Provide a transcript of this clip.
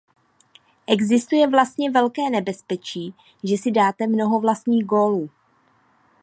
Existuje vlastně velké nebezpečí, že si dáte mnoho vlastních gólů.